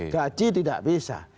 gaji tidak bisa